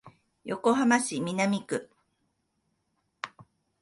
横浜市南区